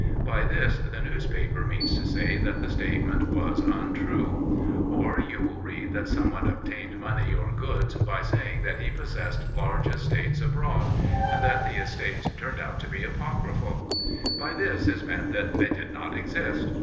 By this, the newspaper means to say that the statement was untrue. Or, you will read that someone obtained money or goods by saying that he possessed large estates abroad; and that the estates turned out to be apocryphal. By this is meant that they did not exist.